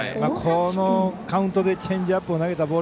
このカウントでチェンジアップを投げた。